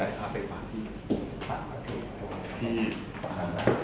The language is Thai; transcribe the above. ได้พาไปฝากที่ฝานแล้ว